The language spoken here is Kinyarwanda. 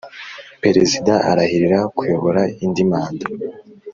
Perezida arahirira kuyobora indi manda